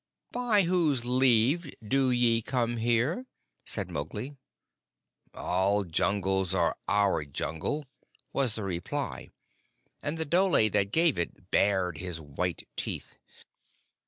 "By whose leave do ye come here?" said Mowgli. "All Jungles are our Jungle," was the reply, and the dhole that gave it bared his white teeth.